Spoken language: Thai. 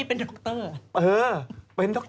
ที่เป็นดร